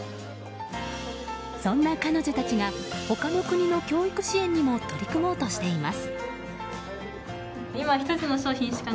そんな彼女たちが他の国の教育支援にも取り組もうとしています。